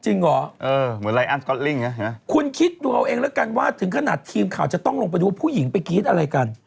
จริงเหรอคุณคิดตัวเองแล้วกันว่าถึงขนาดทีมข่าวจะต้องลงไปดูผู้หญิงไปกรี๊ดอะไรกัน